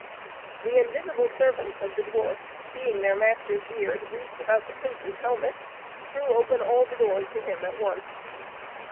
The invisible servants of the dwarf, seeing their master's beard, wreathed about the prince's helmet, threw open all the doors to him at once.